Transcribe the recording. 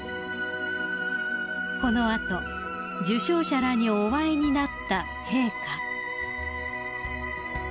［この後受章者らにお会いになった陛下］